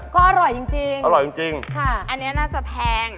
ก็อร่อยจริงอร่อยจริงอันนี้น่าจะแพง